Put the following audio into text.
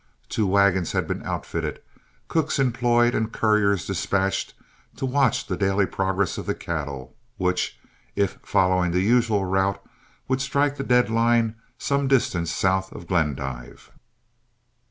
Two wagons had been outfitted, cooks employed, and couriers dispatched to watch the daily progress of the cattle, which, if following the usual route, would strike the deadline some distance south of Glendive.